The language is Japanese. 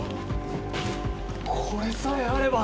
これさえあれば。